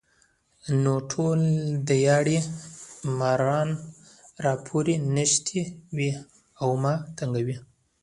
نو ټول دیاړي ماران راپورې نښتي وي ـ او ما تنګوي